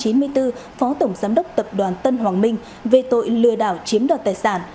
năm một nghìn chín trăm chín mươi bốn phó tổng giám đốc tập đoàn tân hoàng minh về tội lừa đảo chiếm đoạt tài sản